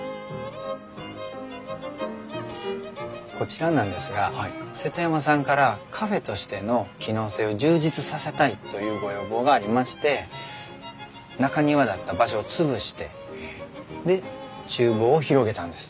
こちらなんですが瀬戸山さんからカフェとしての機能性を充実させたいというご要望がありまして中庭だった場所を潰して厨房を広げたんです。